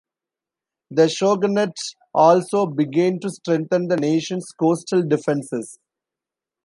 The shogunate also began to strengthen the nation's coastal defenses.